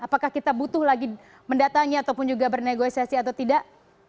apakah kita butuh lagi mendatangi ataupun juga bernegosiasi atau tidak